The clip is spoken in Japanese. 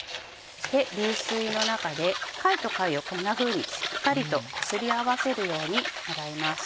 冷水の中で貝と貝をこんなふうにしっかりとこすり合わせるように洗います。